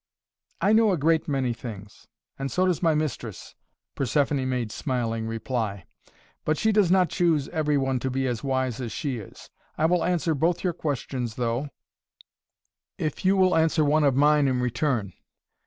"I know a great many things and so does my mistress," Persephoné made smiling reply. "But she does not choose every one to be as wise as she is. I will answer both your questions though, if you will answer one of mine in return.